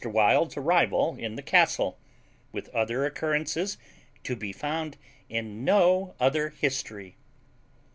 WILD'S ARRIVAL IN THE CASTLE, WITH OTHER OCCURRENCES TO BE FOUND IN NO OTHER HISTORY.